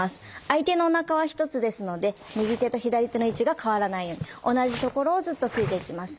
相手のおなかは１つですので右手と左手の位置が変わらないように同じところをずっと突いていきます。